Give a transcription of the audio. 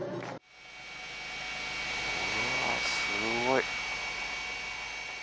うわあ、すごい。